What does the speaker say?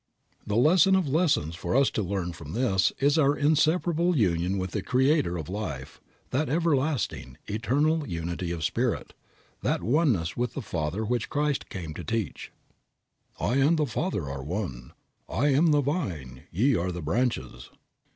The lesson of lessons for us to learn from this is our inseparable union with the Creator of life, that everlasting, eternal unity of spirit, that oneness with the Father which Christ came to teach. "I and the Father are one." "I am the vine, ye are the branches."